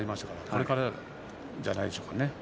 これからじゃないですかね。